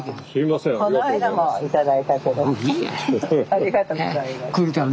ありがとうございます。